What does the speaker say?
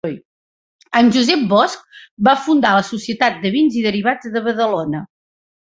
Amb Josep Bosch va fundar la Societat de Vins i Derivats de Badalona.